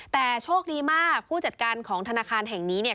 แต่โชคดีมากผู้จัดการของธนาคารแห่งนี้เนี่ย